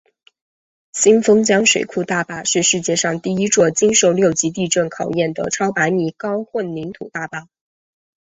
新丰江水库大坝是世界上第一座经受六级地震考验的超百米高混凝土大坝。